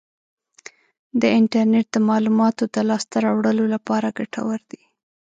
د انټرنیټ د معلوماتو د لاسته راوړلو لپاره ګټور دی.